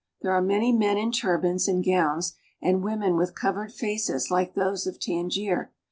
There are many men in turbans and gowns, and women with covered faces like those of Tangier.